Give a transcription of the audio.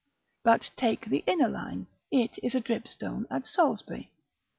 But take the inner line; it is a dripstone at Salisbury.